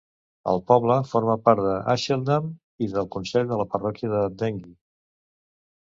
El poble forma part d'Asheldham i del consell de la parròquia de Dengie.